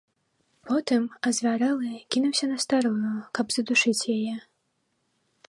Потым, азвярэлы, кінуўся на старую, каб задушыць яе.